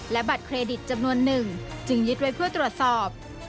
และบัตรเครดิตจำนวนหนึ่งจึงยึดไว้เพื่อตรวจสอบ